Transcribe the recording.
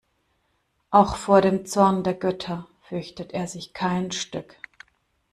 Auch vor dem Zorn der Götter fürchtet er sich kein Stück.